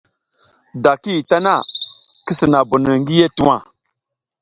Da ki yih ɗa ta na, ki sina bonoy ngi yih tuwa.